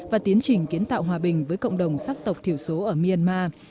và tiến trình kiến tạo hòa bình với cộng đồng sắc tộc thiểu số ở myanmar